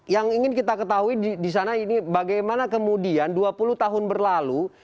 yang ingin kita ketahui di sana ini bagaimana kemudian dua puluh tahun berlalu